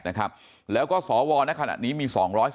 ๑๘๘นะครับแล้วก็สอวในขณะนี้มี๒๔๙